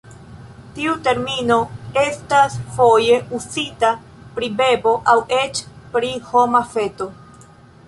Tiu termino estas foje uzita pri bebo aŭ eĉ pri homa feto.